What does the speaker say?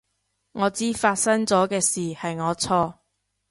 我知發生咗嘅事係我錯